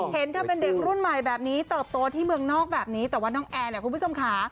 เห็นจะเป็นเด็กรุ่นใหม่ตอบโตที่เมืองนอกแบบนี้แต่ว่าน้องแอนผู้ชมขา